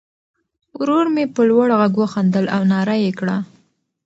ورور مې په لوړ غږ وخندل او ناره یې کړه.